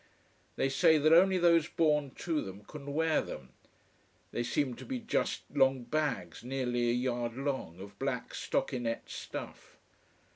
They say that only those born to them can wear them. They seem to be just long bags, nearly a yard long, of black stockinette stuff.